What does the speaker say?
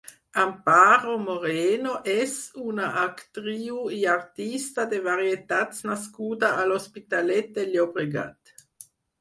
Amparo Moreno és una actriu i artista de varietats nascuda a l'Hospitalet de Llobregat.